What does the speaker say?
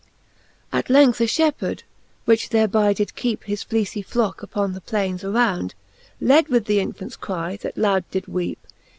At length a Shepheard, which there by did keepe His fleecie flocke upon the playnes around, Led with the infants cry, that loud did weepe.